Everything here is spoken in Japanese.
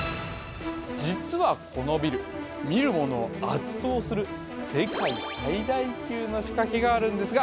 実はこのビル見る者を圧倒する世界最大級の仕掛けがあるんですが